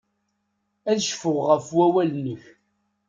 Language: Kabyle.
Ad cfuɣ ɣef wawal-nnek.